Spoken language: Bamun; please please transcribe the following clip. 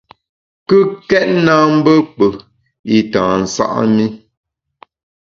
Kùkèt na mbe kpù i tâ nsa’ mi.